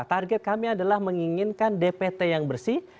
target kami adalah menginginkan dpt yang bersih